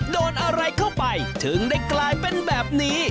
โดนอะไรเข้าไปถึงได้กลายเป็นแบบนี้